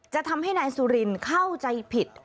ทำให้นายสุรินเข้าใจผิด